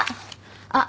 あっ。